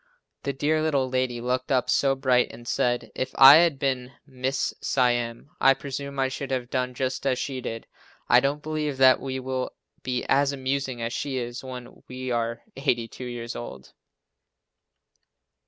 The dear little lady looked up so bright and said, "If I had been Mrs. Siam, I presume I should have done just as she did." I don't believe that we will be as amusing as she is when we are 82 years old.